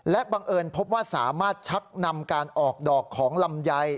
และบังเอิญพบว่าสามารถชักนำการออกดอกของลำไย